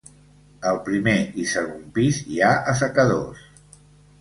Al primer i segon pis hi ha assecadors.